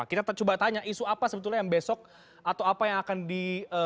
kita coba tanya isu apa sebetulnya yang besok atau apa yang akan di